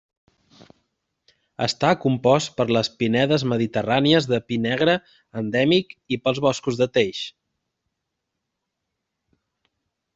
Està compost per les pinedes mediterrànies de pi negre endèmic i pels boscos de teix.